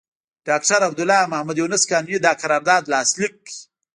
ډاکټر عبدالله او محمد یونس قانوني دا قرارداد لاسليک کړ.